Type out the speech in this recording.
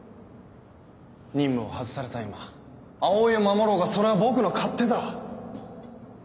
任務を外された今葵を守ろうがそれは僕の勝手だ。